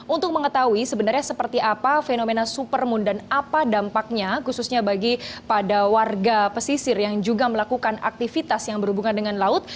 untuk mengetahui sebenarnya seperti apa fenomena supermoon dan apa dampaknya khususnya bagi pada warga pesisir yang juga melakukan aktivitas yang berhubungan dengan laut